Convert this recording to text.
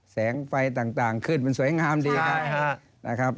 แสงไฟต่างขึ้นมันสวยงามดีนะครับ